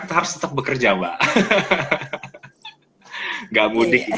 kita baik pemerintah di mana mana kan nggak dong di rumah aja kan